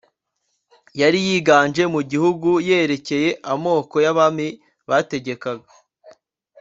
yari yiganje mu gihugu yerekeye amoko y'abami bategekaga